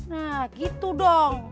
nah gitu dong